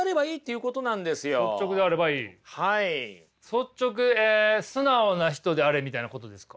素直え「素直な人であれ」みたいなことですか？